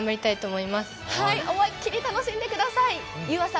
思い切り楽しんでください。